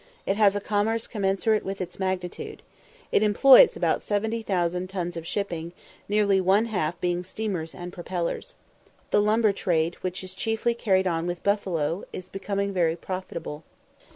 It has a commerce commensurate with its magnitude. It employs about 70,000 tons of shipping, nearly one half being steamers and propellers. The lumber trade, which is chiefly carried on with Buffalo, is becoming very profitable.